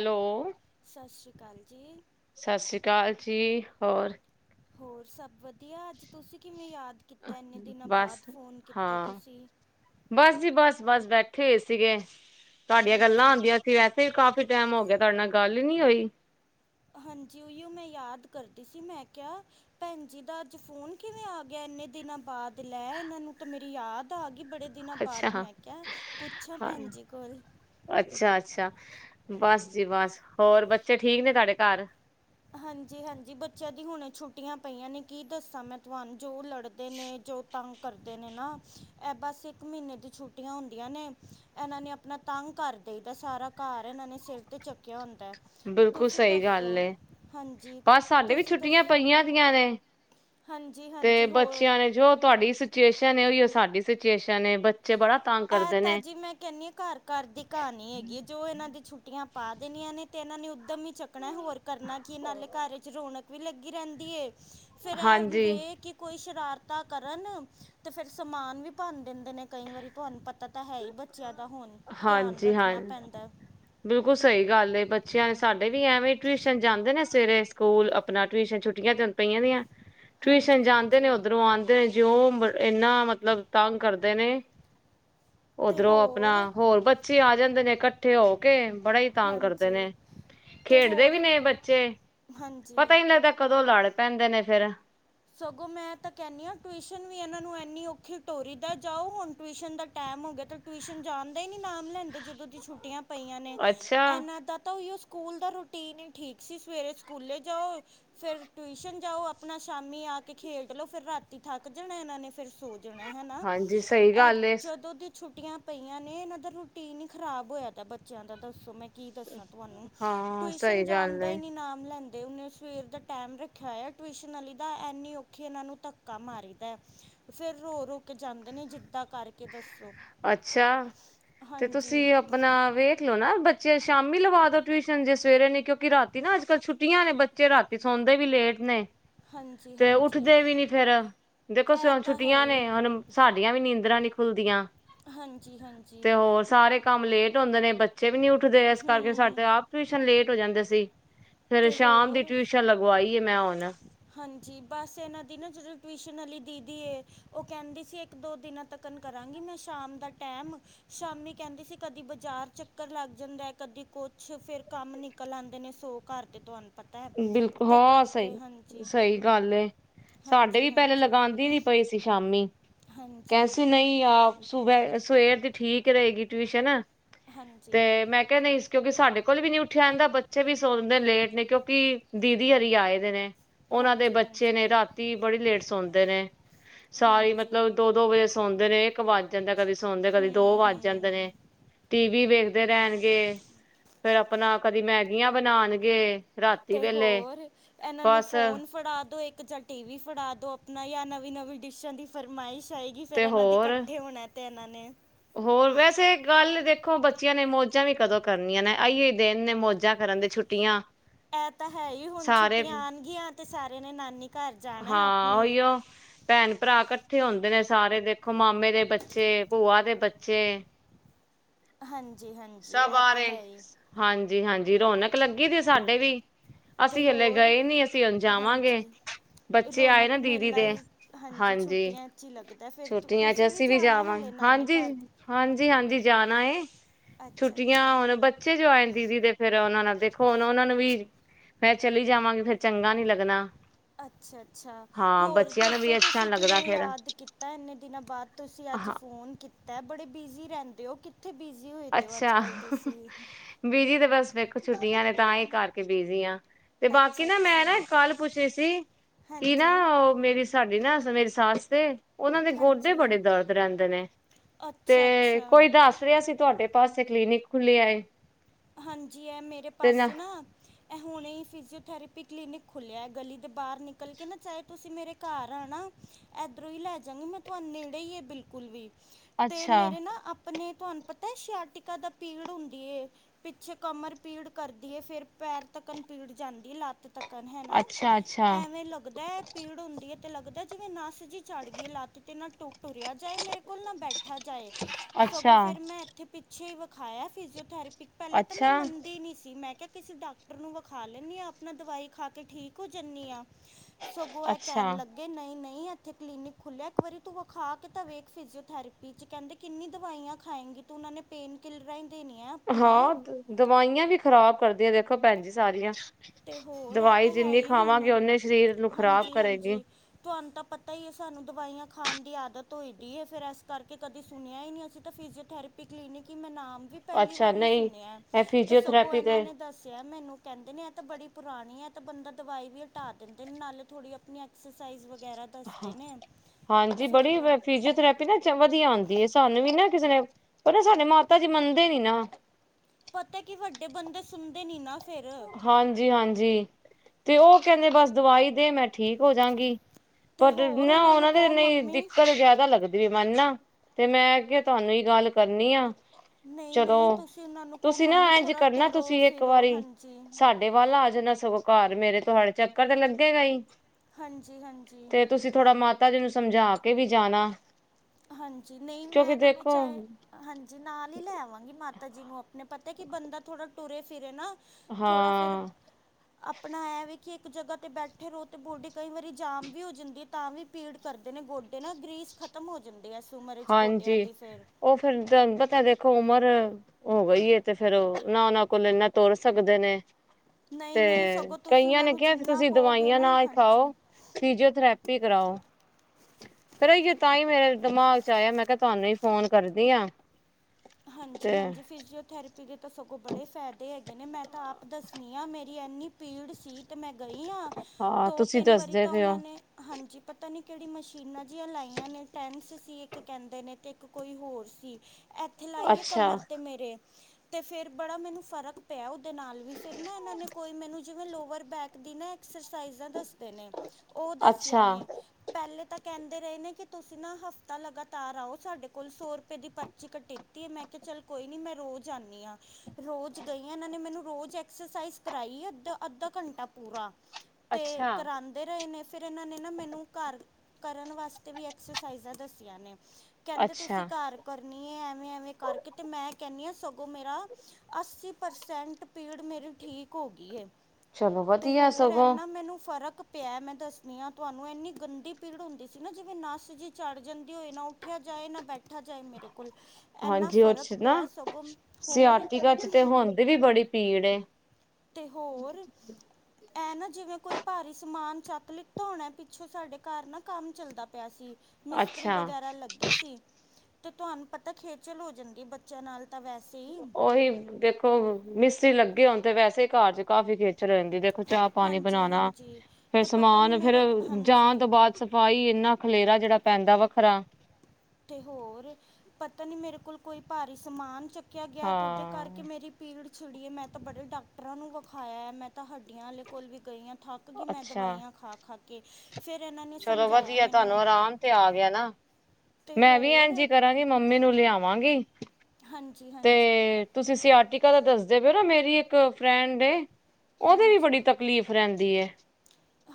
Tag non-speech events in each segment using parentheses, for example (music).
Hello ਸਤਿ ਸ਼੍ਰੀ ਅਕਾਲ ਜੀ। ਸ ਸ਼੍ਰੀ ਕਾਲ ਜੀ ਹੋਰ। ਹੋਰ ਸਭ ਵਧੀਆ ਅੱਜ ਤੁਸੀਂ ਕਿਵੇਂ ਯਾਦ ਕੀਤਾ ਇੰਨੇ ਦਿਨਾਂ ਬਸ ਬਾਅਦ ਫ਼ੋਨ ਕੀਤਾ ਹਾਂ, ਤੁਸੀਂ। ਬਸ ਜੀ ਬਸ ਬਸ ਬੈਠੇ ਸੀਗੇ ਤੁਹਾਡੀਆਂ ਗੱਲਾਂ ਹਾਂਜੀ, ਹੁੰਦੀਆਂ ਤੇ ਵੈਸੇ ਵੀ ਕਾਫੀ ਟਾਈਮ ਹੋ ਗਿਆ ਤੁਹਾਡੇ ਨਾਲ ਗੱਲ ਹੀ ਨੀ ਹੋਈ। ਹਾਂਜੀ ਉਹੀਓ ਮੈਂ ਯਾਦ ਕਰਦੀ ਸੀ। ਮੈਂ ਕਿਹਾ। ਭੈਨਜੀ ਦਾ ਅੱਜ ਫੋਨ ਕਿਵੇਂ ਆ ਗਿਆ ਹੈ। ਇੰਨੇ ਦਿਨਾਂ ਬਾਅਦ ਲੈ ਇਹਨਾਂ ਨੂੰ ਤਾਂ ਮੇਰੀ ਯਾਦ ਆ ਗਈ ਬੜੇ ਦਿਨਾਂ ਅੱਛਾ ਬਾਅਦ ਹਾਂ। ਮੈਂ ਕਿਹਾ ਪੁੱਛਾਂ ਹਾਂ, ਭੈਣ ਜੀ ਕੋਲ। ਅੱਛਾ ਅੱਛਾ ਬਸ ਜੀ ਬਸ ਹੋਰ ਬੱਚੇ ਠੀਕ ਨੇ ਤੁਹਾਡੇ ਘਰ। ਹਾਂਜੀ ਹਾਂਜੀ ਬੱਚਿਆਂ ਦੀ ਹੁਣੇ ਛੁੱਟੀਆਂ ਪਈਆਂ ਨੇ ਕੀ ਦੱਸਾਂ ਮੈਂ। ਤੁਹਾਨੂੰ ਜੋ ਲੜਦੇ ਨੇ ਜੋ ਤੰਗ ਕਰਦੇ ਨੇ ਨਾ ਐਹ ਬਸ ਇੱਕ ਮਹੀਨੇ ਦੀ ਛੁੱਟੀਆਂ ਹੁੰਦੀਆਂ ਨੇ ਐਹਨਾਂ ਨੇ ਆਪਣਾ ਤੰਗ ਕਰ ਦੇਈਦਾ ਸਾਰਾ ਘਰ ਇਹਨਾਂ ਨੇ ਸਿਰ ਤੇ ਚੱਕਿਆ ਹੁੰ ਬਿਲਕੁਲ ਸਹੀ ਗੱਲ ਹਾਂਜੀ ਬਸ ਸਾਡੇ ਵੀ ਤੁਸੀਂ ਛੁੱਟੀਆਂ ਦੱਸੋ ਪਈਆਂ ਦਿਆਂ ਨੇ। ਹਾਂਜੀ ਤੇ ਹਾਂਜੀ ਹੋਰ ਬੱਚਿਆਂ ਨੇ ਜੋ ਤੁਹਾਡੀ ਸ ਸਿਚੁਏਸ਼ਨ ਉਹੀ ਸਾਡੀ ਸਿਚੁਏਸ਼ਨ ਹੈ। ਬੱਚੇ ਬੜਾ ਤੰਗ ਐਹ ਕਰਦੇ ਤਾਂ ਨੇ। ਜੀ ਮੈਂ ਕਹਿੰਨੀ ਹਾਂ ਘਰ ਘਰ ਦੀ ਕਹਾਣੀ ਹੈਗੀ ਹੈ। ਜੋ ਇਹਨਾਂ ਦੀ ਛੁੱਟੀਆਂ ਪਾ ਦੇਣੀਆਂ ਨੇ। ਤੇ ਇਹਨਾਂ ਨੇ ਉੱਦਮ ਹੀ ਚੱਕਣਾ ਹੋਰ ਕਰਨਾ ਕੀ ਨਾਲੇ ਘਰ ਚ ਰੌਣਕ ਵੀ ਲੱਗੀ ਰਹਿੰਦੀ ਏ ਫਿਰ ਆ ਵੈ ਹਾਂਜੀ, ਨੇ ਕਿ (unintelligible) ਕੋਈ ਸ਼ਰਾਰਤਾਂ ਕਰਨ ਤੇ ਫੇਰ ਸਮਾਨ ਵੀ ਭੰਨ ਦਿੰਦੇ ਨੇ ਕਈ ਵਾਰੀ ਤੁਹਾਨੂੰ ਪਤਾ ਤਾਂ ਤਾਂ ਹੈ ਹੀ ਬੱਚਿਆਂ ਦਾ ਹੁਣ ਧਿਆਨ ਹਾਂਜੀ ਹਾਂ ਰੱਖਣਾ ਪੈਂਦਾ ਐ ਬਿਲਕੁਲ ਸਹੀ ਗੱਲ ਏ ਬੱਚਿਆਂ ਨੇ ਸਾਡੇ ਵੀ ਐਵੇਂ ਟਿਊਸ਼ਨ ਜਾਂਦੇ ਨੇ ਸਵੇਰੇ ਸਕੂਲ ਆਪਣਾ ਟਿਊਸ਼ਨ ਛੁੱਟੀਆਂ ਪਈਆਂ ਦੀਆਂ। ਟਿਊਸ਼ਨ ਹਾਂਜੀ ਜਾਂਦੇ ਨੇ, ਹਾਂਜੀ ਉੱਧਰੋਂ ਆਉਂਦੇ ਨੇ ਜਿ ਉਹ ਇਨਾ ਮਤਲਬ ਤੰਗ ਕਰਦੇ ਨੇ। ਤੇ ਓਧਰੋਂ ਆਪਣਾ ਹੋਰ ਹੋਰ ਬੱਚੇ ਆ ਜਾਂਦੇ ਨੇ ਇਕੱਠੇ ਹੋ ਬੜਾ ਹੀ ਤੰਗ ਕਰਦੇ ਹਾਂਜੀ ਨੇ ਤੇ ਖੇਡਦੇ ਵੀ ਹੋਰ ਨੇ ਬੱਚੇ ਹਾਂਜੀ ਪਤਾ ਹੀ ਲੱਗਦਾ ਕਦੋਂ ਲੜ ਪੈਂਦੇ ਨੇ ਫੇਰ ਸਗੋਂ ਮੈਂ ਤਾਂ ਕਹਿੰਦੀ ਹਾਂ ਟਿਊਸ਼ਨ ਵੀ ਇਹਨਾਂ ਨੂੰ ਇੰਨੀ ਔਖੀ ਟੋਰੀ ਦਾ ਜਾਓ ਹੁਣ ਟਿਊਸ਼ਨ ਦਾ ਟਾਈਮ ਹੋ ਗਿਆ ਤਾਂ ਟਿਊਸ਼ਨ ਜਾਣ ਦਾ ਹੀ ਨੀ ਨਾਮ ਲੈਂਦੇ ਜਦੋਂ ਦੀ ਛੁੱਟੀਆਂ ਪਈਆਂ ਨੇ ਅੱਛਾ ਇਨਾ ਦਾ ਤਾਂ ਉਹੀ ਸਕੂਲ ਦਾ ਰੂਟੀਨ ਹੀ ਠੀਕ ਸੀ ਸਵੇਰੇ ਸਕੂਲੇ ਜਾਓ ਫਿਰ ਟਿਊਸ਼ਨ ਜਾਓ ਆਪਣਾ ਸ਼ਾਮੀ ਆ ਕੇ ਖੇਡ ਲੋ। ਫਿਰ ਰਾਤੀ ਥੱਕ ਜਾਣਾ ਇਹਨਾਂ ਨੇ, ਫਿਰ ਸੌ। ਜਾਣਾ ਹੈ ਨਾ ਹਾਂਜੀ ਸਹੀ ਐ ਗੱਲ ਏ ਜਦੋਂ ਦੀ ਛੁੱਟੀਆਂ। ਪਈਆਂ ਨੇ ਇਹਨਾਂ ਦਾ ਰੂਟੀਨ ਹੀ ਖ਼ਰਾਬ ਹੋਇਆ ਬੱਚਿਆਂ ਦਾ ਦੱਸੋ ਮੈਨੂੰ। ਕੀ ਦੱਸਾਂ ਤੁਹਾਨੂੰ, ਹਾਂ ਸਹੀ ਟਿਊਸ਼ਨ ਜਾਣ ਗੱਲ ਦਾ ਏ ਹੀ ਨਹੀਂ ਨਾਂ ਲੈਂਦੇ। ਦੇ ਉਹਨੇ ਸਵੇਰ ਦਾ ਟਾਈਮ ਰੱਖਿਆ ਹੋਇਆ ਟਿਊਸ਼ਨ ਵਾਲੀ ਦਾ ਐੰਨੀ ਔਖੀ ਇਹਨਾਂ ਨੂੰ ਧੱਕਾ ਮਾਰੀ ਦਾ। ਫੇਰ ਰੋ ਰੋ ਕੇ ਜਾਂਦੇ ਨੇ ਜਿੱਦਾਂ ਕਰਕੇ। ਅੱਛਾ ਤੇ ਹਾਂਜੀ ਤੁਸੀਂ ਆਪਣਾ ਵੇਖ ਲੋ ਨਾ ਬੱਚੇ ਸ਼ਾਮੀ ਲਵਾ ਦੋ ਟਿਊਸ਼ਨ ਜੇ ਸਵੇਰੇ ਨੇ ਕਿਉਂਕਿ ਰਾਤੀ ਨਾ ਅੱਜ ਕੱਲ੍ਹ ਛੁੱਟੀ। ਛੁਟੀਆਂ ਨੇ ਬੱਚੇ ਰਾਤੀ ਸੌਦੇ ਵੀ ਲੇਟ ਨੇ। ਹਾਂਜੀ ਤੇ ਹਾਂਜੀ ਉੱਠਦੇ ਵੀ ਨੀ ਫੇਰ, ਦੇਖੋ ਇਹ ਤਾਂ ਹੈ ਛੁੱਟੀਆਂ ਨੇ ਹੀ ਹੁਣ ਸਾਡੀਆਂ ਵੀ ਨੀਂਦਰਾਂ ਨੀ ਖੁੱਲਦੀਆਂ। ਹਾਂਜੀ- ਹਾਂਜੀ। ਤੇ ਹੋਰ ਸਾਰੇ ਕੰਮ ਲੇਟ ਹੁੰਦੇ ਨੇ ਬੱਚੇ ਵੀ ਨੀ ਉੱਠਦੇ, ਇਸ ਕਰਕੇ ਸਾਡੇ ਹੂੰ ਆਪ। ਟਿਊਸ਼ਨ ਲੇਟ ਹੋ ਜਾਂਦੇ ਸੀ ਫੇਰ ਅਤੇ ਸ਼ਾਮ ਦੀ ਹੋਰ ਟਿਊਸ਼ਨ ਲਗਵਾਈ ਹੈ ਮੈਂ ਹੁਣ ਹਾਂਜੀ, ਬਸ ਇਹਨਾਂ ਦੀ ਨਾ ਜਦੋਂ ਟਿਊਸ਼ਨ ਵਾਲੀ ਦੀਦੀ ਏ, ਉਹ ਕਹਿੰਦੀ ਸੀ ਇੱਕ ਦੋ ਦਿਨਾਂ- ਤੱਕਣ ਕਰਾਂਗੀ ਮੈਂ ਸ਼ਾਮ ਦਾ ਟਾਈਮ ਸ਼ਾਮੀ ਕਹਿੰਦੀ ਸੀ ਕਦੀ ਬਾਜ਼ਾਰ ਚੱਕਰ ਲੱਗ ਜਾਂਦਾ ਕਦੀ ਕੁਛ ਫਿਰ ਕੰਮ ਨੀ ਲ ਆਉਂਦੇ ਨੇ ਸੋ ਘਰ ਤੇ ਤੁਹਾਨੂੰ ਪਤਾ ਹੈ ਬਿਲਕੁਲ ਤੇ ਹਾਂ ਸਹੀ ਕਰਕੇ ਹਾਂ ਸਹੀ ਗੱਲ ਆ, ਸਾਡੇ ਵੀ ਪਹਿਲੇ ਹਾਂਜੀ ਲਗਾਉਂਦੀ ਨੀ ਪਈ ਸੀ ਸ਼ਾਮੀ ਹਾਂਜੀ ਹਾਂਜੀ ਕੈਸੀ ਨਹੀਂ ਆ ਸੁਬ ਸਵੇਰ ਦੀ ਠੀਕ ਰਹੇਗੀ ਟਿਊਸ਼ਨ ਤੇ ਹਾਂਜੀ ਮੈਂ ਕਿਹਾ ਨਹੀਂ ਕਿਉਂਕਿ ਸਾਡੇ ਕੋਲ ਵੀ ਨੀ ਉੱਠਿਆ ਜਾਂਦਾ ਬੱਚੇ ਵੀ ਸੋਦੇ ਨੇ ਲੇਟ ਨੇ ਕਿਉਂਕਿ ਦੀਦੀ ਹਰੀ ਆਏ ਦੇ ਨੇ ਉਹਨਾਂ ਦੇ ਬੱਚੇ ਹਾਂਜੀ ਨੇ ਰਾਤੀ ਬੜੀ ਲੇਟ ਸੌਦੇ ਨੇ। ਸਾਰੀ ਹਾਂਜੀ ਮਤਲਬ ਦੋ -ਦੋ ਵਜੇ ਸੌਦੇ ਰਹੇ ਇੱਕ ਵੱਜ ਜਾਂਦਾ ਕਦੀ ਸੌਦੇ ਕਦੀ ਦੋ ਹੂੰ ਵੱਜ ਜਾਂਦੇ ਹੂੰ ਨੇ। ਟੀ ਵੀ ਵੇਖਦੇ ਰਹਿਣਗੇ ਫੇਰ ਆਪਣਾ ਕਦੀ ਮੈਗੀਆਂ ਬਣਾਉਣਗੇ। ਰਾਤੀ ਤੇ ਵੇਲੇ ਹੋਰ ਇਹਨਾਂ ਨੂੰ ਬਸ ਫੋਨ ਫੜਾ ਦੋ ਇੱਕ ਜ ਟੀ ਵੀ ਫੜਾ ਦਿਉ ਆਪਣਾ ਜਾਂ ਨਵੀਂ- ਨਵੀਂ ਡਿਸ਼ਾਂ ਦੀ ਫਰਮਾਇਸ਼ ਆਏਗੀ ਫਿਰ ਤੇ ਇਹਨਾਂ ਦੇ ਹੋਰ ਇਕੱਠੇ ਹੋਣਾ। ਤੇ ਇਹਨਾ ਨੇ ਹੋਰ ਵੈਸੇ ਗੱਲ ਦੇਖੋ ਬੱਚਿਆਂ ਨੇ ਮੌਜਾਂ ਵੀ ਕਦੋਂ ਕਰਨੀਆਂ ਨੇ ਅਈਓ ਦਿਨ ਨੇ ਮੌਜਾਂ ਕਰਨ ਦੇ ਛੁੱਟੀਆਂ ਇਹ ਤਾਂ ਹੈ ਹੀ ਹੁਣ ਸਾਰੇ ਛੁੱਟੀਆਂ ਆਉਣਗੀਆਂ ਤੇ ਸਾਰਿਆ ਨੇ ਨਾਨੀ ਘਰ ਜਾਣਾ ਹਾਂ ਆਪਣੇ ਉਹੀਓ ਭੈਣ -ਭਰਾ ਇਕੱਠੇ ਹੁੰਦੇ ਨੇ ਸਾਰੇ ਦੇਖੋ ਮਾਮੇ ਦੇ ਬੱਚੇ, ਭੂਆ ਦੇ ਬੱਚੇ ਹਾਂਜੀ -ਹਾਂਜੀ ਸਭ ਇਹ ਆ ਤਾਂ ਰਹੇ ਹੈ ਹੀ। ਹਾਂਜੀ -ਹਾਂਜੀ ਰੌਣਕ ਲੱਗੀ ਸੀ ਸਾਡੇ ਵੀ ਤੇ ਅਸੀਂ ਹਲੇ ਹੋਰ ਗਏ ਨੀ ਅਸੀਂ ਹੁਣ ਜਾਵਾਂਗੇ ਹਾਂਜੀ ਬੱਚੇ ਆਏ ਰੌਣਕ ਨਾ ਦੀਦੀ ਮੇਲਾ ਦੇ, ਹੀ ਹਾਂਜੀ, ਛੁੱਟੀਆਂ 'ਚ ਹੀ ਲੱਗਦਾ ਫਿਰ ਤੁ ਛੁੱਟੀਆਂ ਚ ਤੁਸੀਂ ਅਸੀਂ ਵੀ ਜਾਣਾ ਜਾਵਾਂਗੇ ਹਾਲੇ ਹਾਂ। ਨਾਨੀ ਘਰ ਹਾਂਜੀ- ਹਾਂਜੀ ਜਾਣਾ ਅੱਛਾ ਛੁੱਟੀਆਂ ਅੱਛਾ ਹੁਣ ਬ ਬੱਚੇ ਆਏ ਜੌ ਦੀਦੀ ਤੇ ਫੇਰ ਉਹਨਾਂ ਨਾਲ ਦੇਖੋ ਹੁਣ ਉਹਨਾਂ ਨੂੰ ਵੀ। ਮੈਂ ਚਲੀ ਜਾਵਾਂਗੀ ਫੇਰ ਚੰਗਾ ਨਹੀਂ ਲੱਗਣਾ। ਅੱਛਾ- ਅੱਛਾ। ਹਾਂ ਹੋਰ ਬੱਚਿਆਂ ਨੂੰ ਦੱਸੋ ਵੀ ਅੱਛਾ ਤੁਸੀਂ ਨੀ ਲੱਗਦਾ ਕਿਵੇਂ ਫੇਰ ਯਾਦ ਕੀਤਾ ਇੰਨੇ ਦਿਨਾਂ ਬਾਅਦ ਤੁਸੀਂ ਅੱਜ ਹਾਂ ਫੋਨ ਕੀਤਾ। ਬੜੇ ਬਿਜ਼ੀ ਰਹਿੰਦੇ ਹੋ ਕਿੱਥੇ ਬਿਜ਼ੀ ਹੋਏ ਤੇ ਹੋ ਅੱਜ ਕੱਲ ਤੁਸੀਂ ਬੀਜੀ ਤਾਂ ਬਸ ਵੇਖੋ ਛੁੱਟੀਆਂ ਨੇ ਤਾਂ ਹੀ ਘਰ ਚ ਬੀਜੀ ਆ ਤੇ ਬਾਕੀ ਅੱਛਾ ਨਾ ਮੈਂ ਨਾ ਅੱਛਾ ਕੱਲ ਪੁੱਛੀ ਸੀ ਕਿ ਨਾ ਹਾਂਜੀ ਉਹ ਮੇਰੀ ਸਾਡੀ ਨਾ ਮੇਰੀ ਸਸ ਦੇ ਉਹਨਾਂ ਦੇ ਗੋਡੇ ਹਾਂਜੀ ਬੜੇ ਦਰਦ ਰਹਿੰਦੇ ਨੇ ਤੇ ਅੱਛਾ ਅੱਛਾ ਕੋਈ ਦੱਸ ਰਿਹਾ ਸੀ ਤੁਹਾਡੇ ਪਾਸੇ ਕਲੀਨਿਕ ਖੁੱਲਿਆ ਹੈ ਹਾਂਜੀ ਹੈ ਮੇਰੇ ਪਾਸੇ ਨਾ ਇਹ ਹੁਣੇ ਹੀ ਫਿਜੀਓਥੈਰੇਪੀ ਕਲੀਨਿਕ ਖੁੱਲਿਆ ਹੈ, ਗਲੀ ਦੇ ਬਾਹਰ ਨਿਕਲ ਕੇ ਨਾ ਚਾਹੇ ਤੁਸੀਂ ਮੇਰੇ ਘਰ ਆਨਾ ਇਧਰੋਂ ਹੀ ਲੈ ਜਾਗੀ, ਮੈਂ ਤੁਹਾਨੂੰ ਨੇੜੇ ਹੀ ਹੈ ਬਿਲਕੁਲ ਤੇ ਅੱਛਾ, ਮੇਰੇ ਨਾ ਆਪਣੇ ਤੁਹਾਨੂੰ ਪਤਾ ਹੈ, ਸ਼ਿਆਟਿਕਾ ਦਾ ਪੀੜ ਹੁੰਦੀ ਹੈ ਪਿੱਛੇ ਕਮਰ ਪੀੜ ਕਰਦੀ ਹੈ, ਫਿਰ ਪੈਰ ਤੱਕਣ ਪੀੜ ਜਾਂਦੀ ਲੱਤ ਤੱਕਣ ਹੈਨਾ ਅੱਛਾ, ਅੱਛਾ, ਐਵੇਂ ਲੱਗਦਾ। ਪੀੜ ਹੁੰਦੀ ਹੈ, ਤੇ ਲੱਗਦਾ ਜਿਵੇਂ ਨਾਸ ਜਿਹੀ ਚੜ ਗਈ ਏ ਲੱਤ ਤੇ ਨਾ ਟ ਤੁਰਿਆ ਜਾਏ ਮੇਰੇ ਕੋਲ ਨਾ ਬੈਠ। ਬੈਠਾ ਜਾਏ ਸਗੋਂ, ਅੱਛਾ, ਫਿਰ ਮੈਂ ਇੱਥੇ ਪਿੱਛੇ ਹੀ ਵਿਖਾਇਆ ਫਿਜੀਓਥੈਰੇਪੀ ਪਹਿਲੇ ਤਾਂ ਮੈਂ ਅੱਛਾ, ਮੰਨਦੀ ਹੀ ਨਹੀਂ ਸੀ ਮੈਂ ਕਿਹਾ ਕਿਸੇ ਡਾਕ ਟਰ ਨੂੰ ਵਿਖਾ ਲੈਂਦੀ ਹਾਂ ਆਪਣਾ ਦਵਾਈ ਖਾ ਕੇ ਠੀਕ ਹੋ ਜਾਂਦੀ ਹਾਂ, ਸਗੋਂ ਇਹ ਕਹਿਣ ਅੱਛਾ। ਲਗੇ ਨਹੀਂ, ਨਹੀਂ ਇੱਥੇ ਕਲੀਨਿਕ ਖੁੱਲਿਆ ਇੱਕ ਵਾਰੀ ਤੂੰ ਵਿਖਾ ਕੇ ਤਾਂ ਵੇਖ ਫਿਜ਼ਓਥੈਰੇਪੀ ਚ ਕਹਿੰਦੇ ਕਿੰਨੀ ਦਵਾਈਆਂ ਖਾਏਗੀ ਤੂੰ ਉਹਨਾਂ ਨੇ ਪੇਨ ਕਿਲਰਾਂ ਹੀ ਦੇਣੀਆਂ ਆਪਣੀਆਂ ਹਾਂ ਦਵਾਈਆਂ ਵੀ ਖ਼ਰਾਬ ਕਰਦੀਆਂ ਦੇਖੋ, ਭੈਣ ਜੀ ਸਾਰੀਆਂ ਅਤੇ ਹੋਰ ਇਹ ਦਵਾਈ ਤਾਂ ਹੈ ਜਿੰਨੀ ਹੀ ਖਾਵਾਂਗੇ, ਹੁਣ ਓਨੇ ਸਰੀਰ ਨੂੰ ਖ਼ਰਾਬ ਹਾਂਜੀ ਕਰੇਗੀ ਹਾਂਜੀ ਤੁਹਾਨੂੰ ਤਾਂ ਪਤਾ ਹੀ ਹੈ ਸਾਨੂੰ ਦਵਾਈਆਂ ਖਾਣ ਦੀ ਆਦਤ ਹੋਏ ਦੀ ਹੈ, ਫੇਰ ਇਸ ਕਰਕੇ ਕਦੇ ਸੁਣਿਆ ਹੀ ਨਹੀਂ ਅਸੀਂ ਤਾਂ ਫਿਜ਼ੀਓਥੈਰੇਪੀ ਕਲੀਨਿਕ ਹੀ ਮਨਾ ਵੀ ਪਹਿਲੀ ਅੱਛਾ ਵਾਰੀ ਨਹੀਂ ਸੁਣਿਆ ਮੈਂ ਤੇ ਸਗੋਂ, ਫਿਜੀਓਥੈਰੇਪੀ ਇਹਨਾਂ ਤੇ ਨੇ ਦੱਸਿਆ ਮੈਨੂੰ ਕਹਿੰਦੇ ਨੇ ਤਾਂ ਬੜੀ ਪੁਰਾਣੀ ਹੈ, ਤਾਂ ਬੰਦਾ ਦਵਾਈ ਵੀ ਹਟਾ ਦਿੰਦੇ ਨੇ ਨਾਲੇ ਥੋੜੀ ਆਪਣੀ ਐਕਸਰਸਾਈਜ਼ ਵਗੈਰਾ ਦੱਸਦੇ ਨੇ ਹਾਂਜੀ ਬੜੀ ਫਿਰ ਫਿਜੀਓਥੈਰਪੀ ਨਾ ਵਧੀਆ ਆਉਂਦੀ ਹੈ, ਸਾਨੂੰ ਵੀ ਨਾ ਕਿਸੇ ਨੇ ਪਤਾ ਨਾ ਸਾਡੇ ਮਾਤਾ ਜੀ ਮੰਨਦੇ ਹੀ ਨਈ ਨਾ ਪਤਾ ਕੀ ਵੱਡੇ ਬੰਦੇ ਸੁਣਦੇ ਨੀ ਨਾ ਫ਼ਿਰ ਹਾਂਜੀ-ਹਾਂਜੀ ਤੇ ਉਹ ਕਹਿੰਦੇ ਬਸ ਦਵਾਈ ਦੇ ਮੈ ਠੀਕ ਹੋ ਜਾਂਗੀ, ਤੇ ਪਰ ਹੋਰ ਨਾ ਨੂੰ ਉਹਨਾਂ ਦੇ ਕਹੋ ਨਹੀਂ ਮੰਮੀ ਦਿੱਕਤ ਜਿਆਦਾ ਲੱਗਦੀ ਵੀ ਮੰਨਾ ਤੇ ਮੈਂ ਕਿਹਾ, ਤੁਹਾਨੂੰ ਹੀ ਗੱਲ ਕਰਨੀ ਆ ਨਹੀਂ, ਚਲੋ ਨਹੀਂ ਤੁਸੀਂ ਉਹਨਾਂ ਨੂੰ ਕਹੋ, ਤੁਸੀਂ ਨਾ ਮੰਮੀ ਇੰਝ ਥੋੜਾ ਕਰਨਾ ਟੁਰੋ ਤੁਸੀਂ ਇੱਕ ਫਿਰੋ ਵਾਰੀ ਹਾਂਜੀ ਸਾਡੇ ਵੱਲ ਆ ਜਾਣਾ ਸਗੋਂ, ਘਰ ਮੇਰੇ ਤੋਂਹਾਡੇ ਚੱਕਰ ਤੇ ਲੱਗੇਗਾ ਹੀ ਹਾਂਜੀ-ਹਾਂਜੀ, ਤੇ ਤੁਸੀਂ ਥੋੜਾ ਮਾਤਾ ਜੀ ਨੂੰ ਸਮਝਾ ਕੇ ਵੀ ਜਾਣਾ ਹਾਂਜੀ, ਨਹੀਂ ਮੈਂ ਕਿਉਂਕਿ ਇਹਨਾਂ ਨੂੰ ਦੇਖੋ ਚਾਹੇ ਹਾਂਜੀ ਨਾਲ ਹੀ ਲੈ ਆਵਾਂਗੀ, ਮਾਤਾ ਜੀ ਨੂੰ ਆਪਣੇ ਪਤਾ ਕਿ ਬੰਦਾ ਥੋੜਾ ਟੁਰੇ ਫਿਰੇ ਨਾ ਥੋੜਾ ਫਿਰ ਹਾਂ ਆਪਣਾ ਇਹ ਵੀ ਕਿ ਇੱਕ ਜਗ੍ਹਾ 'ਤੇ ਬੈਠੇ ਰਹੋ, ਅਤੇ ਬੋਡੀ ਕਈ ਵਾਰੀ ਜਾਮ ਵੀ ਹੋ ਜਾਂਦੀ ਹੈ ਤਾਂ ਵੀ ਪੀੜ ਕਰਦੇ ਨੇ ਗੋਡੇ ਨਾ ਗਰੀਸ ਖ਼ਤਮ ਹੋ ਜਾਂਦੇ ਹੈ, ਇਸ ਉਮਰ ਵਿੱਚ ਗੋਡਿਆਂ ਹਾਂਜੀ ਦੀ ਫਿਰ ਉਹ ਫਿਰ ਪਤਾ ਦੇਖੋ ਉਮਰ ਹੋ ਗਈ ਏ, ਤੇ ਫਿਰ ਉਹ ਨਾ ਉਹਨਾਂ ਕੋਲ ਇਨਾ ਤੋੁਰ ਸਕਦੇ ਨੇ ਨਹੀਂ ਤੇ ਨਹੀਂ ਸਗੋਂ ਤੁਸੀਂ ਕਈਆਂ ਉਹਨਾਂ ਨੇ ਨੂੰ ਕਿਹਾ ਸੀ, ਜਿੰਨਾ ਤੁਸੀਂ ਕਹੋਗੇ ਦਵਾਈਆਂ ਨਾ ਹੀ ਖਾਓ ਹਾਂਜੀ ਫਿਜੀਓਥਰੇਪੀ ਕਰਾਓ, ਫਿਰਹੀਏ ਤਾਂ ਹੀ ਮੇਰੇ ਦਿਮਾਗ ਚਾਯਾਂ ਮੈਂ ਕਿਹਾ ਤੁਹਾਨੂੰ ਹੀ ਫੋਨ ਕਰਦੀ ਹਾਂ ਹਾਂਜੀ-ਹਾਂਜੀ ਫਿਜੀਓਥੈਰੇਪੀ ਏਦੇ ਤਾਂ ਸਗੋਂ ਬੜੇ ਫਾਇਦੇ ਹੈਗੇ, ਨੇ ਮੈਂ ਤਾਂ ਆਪ ਦੱਸਦੀ ਹਾਂ ਮੇਰੀ ਇੰਨੀ ਪੀੜ ਸੀ ਤੇ ਮੈਂ ਗਈ, ਹਾਂ ਹਾਂ ਦੋ ਤੁਸੀਂ ਤਿੰਨ ਵਾਰੀ ਦੱਸਦੇ ਤਾਂ ਪਏ ਉਹਨਾਂ ਹੋ ਨੇ ਹਾਂਜੀ ਪਤਾ ਨਹੀਂ ਕਿਹੜੀ ਮਸ਼ੀਨਾਂ ਜਿਹੀਆਂ ਲਾਈਆਂ ਨੇ ਟੈਨਸ ਸੀ, ਇੱਕ ਕਹਿੰਦੇ ਨੇ ਤੇ ਇੱਕ ਕੋਈ ਹੋਰ ਸੀ। ਇੱਥੇ ਲਾਈਏ ਅੱਛਾ ਕਮਰ ਤੇ ਮੇਰੇ। ਤੇ ਫੇਰ ਬੜਾ ਮੈਨੂੰ ਫਰਕ ਪਿਆ ਹੈ। ਉਹਦੇ ਨਾਲ ਵੀ ਫੇਰ ਨਾ ਇਹਨਾਂ ਨੇ ਕੋਈ ਮੈਨੂੰ ਜਿਵੇਂ ਲੋਵਰ ਬੈਕ। ਦੀ ਨਾ ਐਕਸਰਸਾਈਜ਼ਾਂ ਦੱਸਦੇ ਨੇ ਉਹ ਅੱਛਾ ਦੱਸੀਆਂ ਨੇ। ਪਹਿਲੇ ਤਾਂ ਕਹਿੰਦੇ ਰਹੇ, ਨੇ ਕਿ ਤੁਸੀਂ ਨਾ ਹਫ਼ਤਾ ਲਗਾਤਾਰ ਆਓ, ਸਾਡੇ ਕੋਲ ਸੌ ਰੁਪਏ ਦੀ ਪਰਚੀ ਕੱਟੀ। ਅਤੇ ਮੈਂ ਕਿਹਾ ਚੱਲ ਕੋਈ ਨਹੀਂ ਮੈਂ ਰੋਜ਼ ਆਉਂਦੀ ਹਾਂ। ਰੋਜ਼ ਗਈ, ਇਹਨਾਂ ਨੇ ਮੈਨੂੰ ਰੋਜ਼ ਐਕਸਰਸਾਈਜ਼ ਕਰਾਈ ਅੱਧਾ ਅੱਧਾ ਘੰਟਾ ਪੂਰਾ। ਤੇ ਅੱਛਾ ਕਰਾਉਂਦੇ ਰਹੇ ਨੇ, ਫਿਰ ਇਹਨਾਂ ਨੇ ਨਾ ਮੈਨੂੰ ਘਰ। ਕਰਨ ਵਾਸਤੇ ਵੀ ਐਕਸਰਸਾਈਜ਼ਾਂ ਦੱਸੀਆਂ ਨੇ, ਕਹਿੰਦੇ ਤੁਸੀਂ ਅੱਛਾ ਘਰ ਕਰਨੀ ਹੈ ਐਵੇਂ। ਕਰਕੇ ਤੇ ਮੈਂ ਕਹਿੰਦੀ ਹਾਂ ਸਗੋਂ ਮੇਰਾ। ਅੱਸੀ ਪਰਸੈਂਟ ਪੀੜ ਮੇਰੀ ਠੀਕ ਹੋ ਗਈ ਹੈ। ਚਲੋ ਤੇ ਵਧੀਆ ਹੋਰ ਸਗੋਂ ਇਨਾਂ ਮੈਨੂੰ ਫ਼ਰਕ। ਪਿਆ ਮੈਂ ਦੱਸਦੀ ਹਾਂ ਤੁਹਾਨੂੰ ਇੰਨੀ ਗੰਦੀ ਪੀੜ ਹੁੰਦੀ ਸੀ। ਨਾ ਜਿਵੇਂ ਨੱਸ ਜਿਹੀ ਚੜ੍ਹ ਜਾਂਦੀ ਹੋਏ ਨਾ ਉਹ। ਉਠਾਇਆ ਜਾਏ ਨਾ ਬੈਠਾ ਜਾਏ ਮੇਰੇ ਕੋਲ ਇਨਾ ਹਾਂਜੀ ਉਹ ਫ਼ਰਕ ਪਿਆ ਸਗੋਂ ਹੋਰ ਵਸੇ ਤੇ ਹੁਣਦੀ ਵੀ ਬੜੀ ਪੀੜ ਏ ਅਤੇ ਹੋਰ ਇਹ ਨਾ ਜਿਵੇਂ ਕੋਈ ਭਾਰੀ ਸਮਾਨ ਚਕ ਲੀਤਾ ਹੋਣਾ ਪਿੱਛੋਂ ਸਾਡੇ ਘਰ ਨਾ ਕੰਮ ਚੱਲਦਾ ਪਿਆ ਸੀ ਮਿਸਤਰੀ ਅੱਛਾ ਵਗੈਰਾ ਲੱਗੇ ਸੀ ਤੇ ਤੁਹਾਨੂੰ ਪਤਾ ਖੇਚਲ ਹੋ ਜਾਂਦੀ ਬੱਚਿਆਂ ਨਾਲ ਤਾਂ ਵੈਸੇ ਹੀ ਉਹੀ ਦੇਖੋ ਮਿਸਤਰੀ ਲੱਗੇ ਹੋਣ ਤੇ ਵੈਸੇ ਹੀ ਘਰ ਚ ਕਾਫੀ ਖੇਚਲ ਜਿੱਥੇ ਰਹਿੰਦੀ ਦੇਖੋ ਚਾਹ ਪਾਣੀ ਹਾਂਜੀ ਬਣਾਉਣਾ ਹਾਂਜੀ ਫੇਰ ਤੇ ਪਤਾ ਨਹੀਂ ਸਮਾਨ ਫੇਰ ਮੇਰੇ ਜਾਣ ਹਾਂਜੀ ਤੋਂ ਬਾਅਦ। ਸਫਾਈ ਇੰਨਾ ਖਲੇਰਾ ਜਿਹੜਾ ਪੈਂਦਾ ਵੱਖਰਾ। ਅਤੇ ਹੋਰ ਪਤਾ ਨਹੀਂ ਮੇਰੇ ਕੋਲ ਕੋਈ ਭਾਰੀ ਸਮਾਨ ਚੱਕਿਆ ਗਿਆ ਹੈ। ਤੇ ਉਹਦੇ ਕਰਕੇ ਹਾਂ ਮੇਰੀ। ਪੀੜ ਛਿੜੀਏ ਮੈਂ ਤਾਂ ਬੜੇ ਡਾਕਟਰਾਂ ਨੂੰ ਵਿਖਾਇਆ ਹੈ। ਮੈਂ ਤਾਂ ਹੱਡੀਆਂ ਵਾਲੇ ਕੋਲ ਵੀ ਗਈ ਹਾਂ ਥੱਕ। ਕਿਉਂਕਿ ਮੈਂ ਅੱਛਾ ਦਵਾਈਆਂ ਖਾ ਖਾ ਕੇ ਫੇਰ ਇਹਨਾਂ ਨੇ ਚਲੋ ਸਮਝਾਇਆ ਵਧੀਆ ਤੁਹਾਨੂੰ ਮੈਨੂੰ। ਆਰਾਮ ਤੇ ਆ ਗਿਆ ਨਾ ਤੇ ਮੈਂ ਵੀ ਹੋਰ ਇੰਝ ਹੀ ਕਰਾਂਗੀ। ਮੰਮੀ ਨੂੰ ਲਿਆਵਾਂਗੀ ਹਾਂਜੀ ਤੇ। ਹਾਂਜੀ ਤੁਸੀਂ ਸਿਆਟਿਕਾ ਦਾ ਦੱਸਦੇ ਪਏ ਹੋ ਨਾ ਮੇਰੀ ਇੱਕ ਫਰੈਂਡ ਹੈ। ਉਹਦੇ ਵੀ ਬੜੀ ਹਾਂਜੀ ਤਕਲੀਫ਼ ਰਹਿੰਦੀ ਹੈ।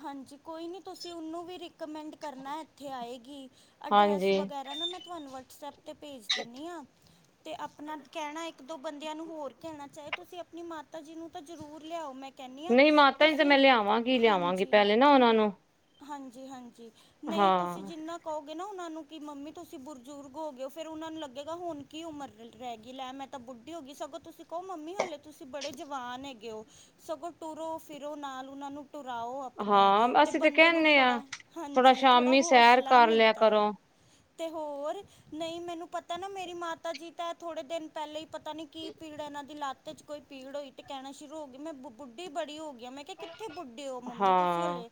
ਹਾਂਜੀ ਕੋਈ ਨਹੀਂ ਤੁਸੀਂ ਉਹਨੂੰ ਵੀ ਰਿਕਮੈਂਡ ਕਰਨਾ ਇੱਥੇ ਆਏਗੀ। ਅਡਰੈੱਸ ਹਾਂਜੀ ਵਗੈਰਾ ਨਾ ਮੈਂ ਤੁਹਾਨੂੰ ਵਟਸਐਪ 'ਤੇ ਭੇਜ ਦਿੰਦੀ ਹਾਂ। ਤੇ ਆਪਣਾ ਕਹਿਣਾ ਇੱਕ ਦੋ ਬੰਦਿਆਂ ਨੂੰ ਹੋਰ ਕਹਿਣਾ ਚਾਹੇ ਤੁਸੀਂ ਆਪਣੀ ਮਾਤਾ ਜੀ ਨੂੰ ਤਾਂ ਜ਼ਰੂਰ ਲਿਆਓ ਮੈਂ। ਕਹਿੰਦੀ ਹਾਂ ਨਹੀਂ ਮਾਤਾ ਜੀ ਤੇ ਤੁਸੀਂ ਮੈਂ ਲਿਆਵਾਂਗੀ ਲਿਆਵਾਂਗੀ ਹਾਂਜੀ ਪਹਿਲੇ ਨਾ ਉਹਨਾਂ ਨੂੰ। ਹਾਂਜੀ ਹਾਂਜੀ ਨਹੀਂ ਹਾਂ ਤੁਸੀਂ ਜਿੰਨਾ। ਕਹੋਗੇ ਨਾ ਉਹਨਾਂ ਨੂੰ ਕਿ ਮੰਮੀ ਤੁਸੀਂ ਬਜ਼ੁਰਗ ਹੋ ਗਏ ਹੋ ਫੇਰ ਉਹਨਾਂ ਨੂੰ ਲੱਗੇਗਾ ਹੁਣ ਕੀ ਉਮਰ ਰਹਿ ਗਈ ਲੈ ਮੈਂ। ਤਾਂ ਬੁੱਢੀ ਹੋ ਗਈ ਸਗੋਂ ਤੁਸੀਂ ਕਹੋ ਮੰਮੀ ਹਾਲੇ ਤੁਸੀਂ ਬੜੇ ਜਵਾਨ ਹੈਗੇ ਹੋ। ਸਗੋਂ ਤੁਰੋ ਫਿਰੋ ਨਾਲ ਉਹਨਾਂ ਨੂੰ ਟਰਾਓ। ਆਪਣੇ ਹਾਂ ਤੇ ਅਸੀਂ ਬੰਦੇ ਨੂੰ ਕਹਿੰਦੇ ਹਾਂ ਥੋੜ੍ਹਾ ਥੋੜਾ ਹਾਂਜੀ ਥੋੜ੍ਹਾ ਸ਼ਾਮੀ ਸੈਰ ਹੌਸਲਾ ਕਰ ਲਿਆ ਮਿਲਦਾ ਹੈ। ਕਰੋ ਤੇ ਹੋਰ। ਨਹੀਂ ਮੈਨੂੰ ਪਤਾ ਨਾ ਮੇਰੀ ਮਾਤਾ ਜੀ ਤਾਂ ਥੋੜੇ ਦਿਨ ਪਹਿਲੇ ਹੀ ਪਤਾ ਨੀ ਕੀ ਪੀੜ ਇਹਨਾਂ ਦੀ ਲੱਤ। 'ਚ ਕੋਈ ਪੀੜ ਹੋਈ ਤੇ ਕਹਿਣਾ ਸ਼ੁਰੂ ਹੋ ਗਈ ਮੈਂ ਬ ਬੁੱਢੀ ਬੜੀ ਹੋ ਗਈ ਹੈ। ਮੈਂ ਕਿਹਾ ਕਿੱਥੇ ਬੁੱਢੇ ਉਹ ਮੰਮੀ। ਤੁਸੀਂ ਹਾਂ ਹਲੇ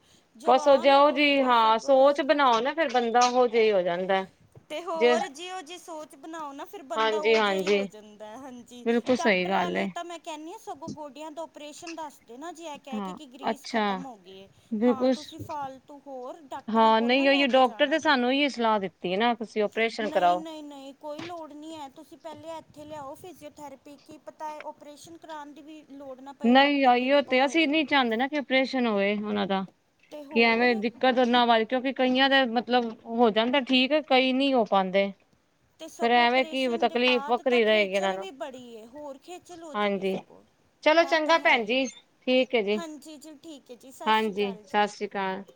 ਬਸ ਉਹ ਜਵਾਨ ਹੋ। ਜਾਓ ਤੁਸੀਂ ਜੀ ਤਾਂ ਹਾਂ ਸਗੋ। ਸੋਚ ਬਣਾਓ ਨਾ ਫਿਰ ਬੰਦਾ ਹੋ ਜਿਹੀ ਹੋ ਜਾਂਦਾ ਤੇ ਜੇ ਹੋਰ ਜੀ ਉਹ ਜੇ ਸੋਚ। ਬਣਾਓ ਨਾ ਫ਼ਿਰ ਬੰਦਾ ਹਾਂਜੀ ਉਹ ਜਿਹੀ ਹਾਂਜੀ ਹੋ ਜਾਂਦਾ ਹੈ। ਹਾਂਜੀ ਬਿਲਕੁਲ ਸਹੀ ਡਾਕਟਰਾਂ ਗੱਲ ਹੈ ਨਹੀਂ ਤਾਂ ਮੈਂ। ਕਹਿੰਦੇ ਹਾਂ। ਸਗੋਂ ਗੋਡਿਆਂ ਦਾ ਓਪਰੇਸ਼ਨ ਦੱਸ ਦੇ ਨਾ ਜੇ ਇਹ ਕਹਿ ਕੇ ਹਾਂ ਕਿ ਗ੍ਰਰੀਸ ਅੱਛਾ ਖਤਮ ਹੋ। ਹੁੰਦੀ ਹੈ। ਹਾਂ ਬਿਲਕੁਲ ਤੁਸੀਂ ਫਾਲਤੂ ਹੋਰ ਡਾਕਟਰਾਂ ਹਾਂ ਕੋਲ ਨਾ ਨਹੀਂ ਲੈ ਉਹੀ ਕੇ ਡਾਕਟਰ ਜਾਣਾ। ਸਾਨੂੰ ਹੀ ਸਲਾਹ ਦਿੱਤੀ ਤੇ ਨਾ ਤੁਸੀਂ ਓਪਰੇਸ਼ਨ ਨਹੀਂ ਕਰਾਓ। ਨਹੀਂ ਨਹੀਂ ਕੋਈ ਲੋੜ ਨਹੀਂ ਹੈ ਤੁਸੀਂ ਪਹਿਲੇ ਇੱਥੇ ਲਿਆ ਫਿਜੀਓਥੈਰੇਪੀ ਕਿ ਪਤਾ ਏ ਓਪਰੇਸ਼ਨ ਕਰਾਉਣ ਦੀ ਵੀ ਲੋੜ। ਨਾ ਪਏ ਰੱਬ ਨਹੀਂ ਦੀ ਆਈ ਉਹ ਕਿਰਪਾ ਤੇ ਅਸੀਂ ਹੋਏ ਨਹੀਂ ਚਾਹੁੰਦੇ ਨਾ ਕਿ ਓਪਰੇਸ਼ਨ ਹੋਏ ਉਹਨਾਂ ਦਾ ਤੇ ਕਿ ਹੋਰ ਐਵੇਂ। ਕਦਰ ਨਾ ਵਜ ਕਿਉਂਕਿ ਕਈਆਂ ਦਾ ਮਤਲਬ ਹੋ ਜਾਂਦਾ ਹੈ। ਠੀਕ ਕਈ ਨਹੀਂ ਹੋ ਪਾਉਂਦੇ। ਤੇ ਫੇਰ ਸਗੋਂ ਐਵੇ ਕਿ ਓਪਰੇਸ਼ਨ ਦੇ ਤਕਲੀਫ਼ ਬਾਅਦ ਤਾਂ ਵਖਰੀ ਰਹੇਗੀ ਇਹਨਾਂ ਖੇਚਲ ਨੂੰ ਵੀ ਬੜੀ ਏ ਹੋਰ ਖੇਚਲ ਹੋ ਜਾਏਗੀ ਹਾਂਜੀ ਸਗੋਂ ਚਲੋ ਇਹ ਤਾਂ ਚੰਗਾ ਹੈ ਭੈਣ ਹੀ ਜੀ ਠੀਕ ਹੈ। ਜੀ ਹਾਂਜੀ ਜੀ ਠੀਕ ਹੈ ਜੀ ਸਤਿ ਸ਼੍ਰੀ ਹਾਂਜੀ ਅਕਾਲ ਸਤਿ ਜੀ ਸ੍ਰੀ ਅਕਾਲ- - (inaudible)